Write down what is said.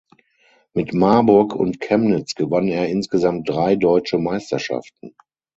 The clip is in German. Mit Marburg und Chemnitz gewann er insgesamt drei deutsche Meisterschaften.